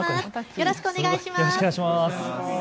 よろしくお願いします。